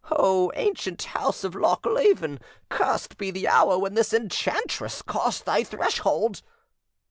O ancient house of Lochleven, cursed be the hour when this enchantress crossed thy threshold!"